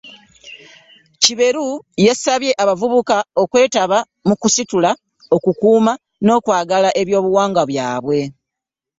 Kiberu yasabye abavubuka okwetaba mu kusitula, okukuuma n'okwagala ebyobuwangwa byabwe